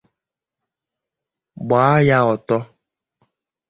gbaa ya ọtọ